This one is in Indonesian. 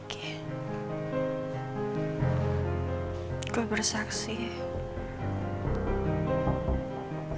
syedang pertama udah dilalui